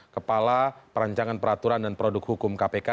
kepala perancangan peraturan dan produk hukum kpk